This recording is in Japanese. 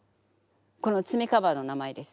この爪カバーの名前です。